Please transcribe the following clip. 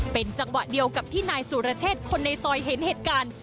เป็นจังหวะเดียวกับที่นายสุรเชษคนในซอยเห็นเหตุการณ์